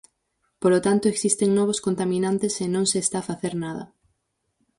Polo tanto, existen novos contaminantes e non se está a facer nada.